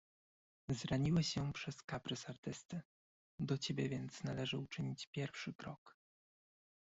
"Zraniłeś ją przez kaprys artysty, do ciebie więc należy uczynić pierwszy krok."